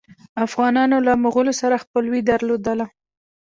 افغانانو له مغولو سره خپلوي درلودله.